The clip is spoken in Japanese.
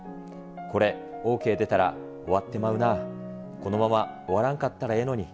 これ、ＯＫ出たら、終わってまうなあ、このまま終わらんかったらええのに。